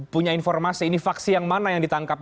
punya informasi ini vaksi yang mana yang ditangkap